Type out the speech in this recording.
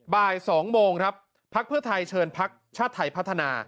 บ่าย๒โมงครับพักเพื่อไทยเชิญพักชาติไทยพัฒนา